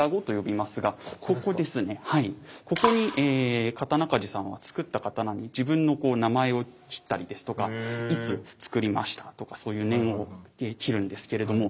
ここに刀鍛冶さんはつくった刀に自分の名前を切ったりですとかいつつくりましたとかそういう銘を切るんですけれども。